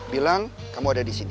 bilang kamu ada di sini